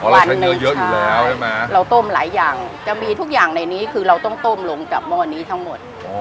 ร้านเนื้อเยอะอยู่แล้วใช่ไหมเราต้มหลายอย่างจะมีทุกอย่างในนี้คือเราต้องต้มลงจากหม้อนี้ทั้งหมด